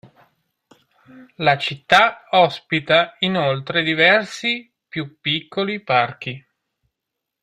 La città ospita inoltre diversi più piccoli parchi.